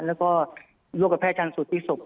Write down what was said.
แล้วก็ร่วมกับแพทย์ชาญสูตรที่สุข